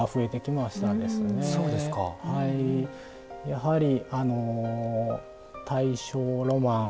やはりあの大正ロマン